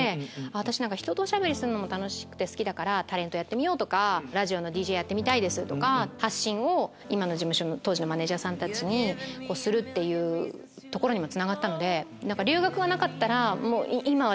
私おしゃべりするのも楽しくて好きだからタレントやってみようとかラジオのＤＪやってみたいとか発信を今の事務所の当時のマネジャーさんたちにするっていうところにもつながったので。